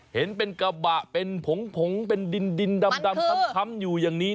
เห็นเป็นกระบะเป็นผงเป็นดินดำค้ำอยู่อย่างนี้